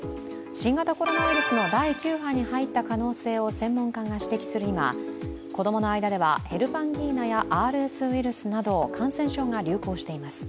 新型コロナの第９波に入った可能性を専門家が指摘する今、子供の間ではヘルパンギーナやＲＳウイルスなど感染症が流行しています。